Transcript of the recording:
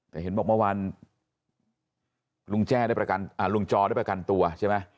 แต่เห็นบอกเมื่อวันลุงจอได้ประกันตัวใช่ไหม